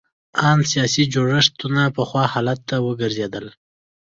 ان سیاسي جوړښتونه پخوا حالت ته وګرځېدل.